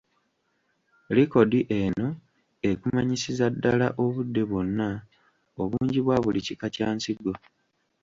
Likodi eno ekumanyisiza ddala obudde bwonna obungi bwa buli kika kya nsigo.